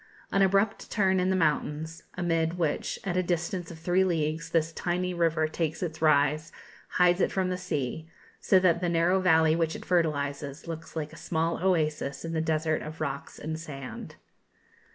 An abrupt turn in the mountains, amid which, at a distance of three leagues, this tiny river takes its rise, hides it from the sea, so that the narrow valley which it fertilises looks like a small oasis in the desert of rocks and sand.